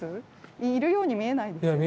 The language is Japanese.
いるように見えないですよね。